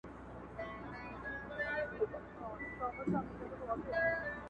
پسرلي به وي شیندلي سره ګلونه!!